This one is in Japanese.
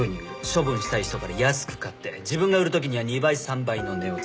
処分したい人から安く買って自分が売る時には２倍３倍の値を付ける。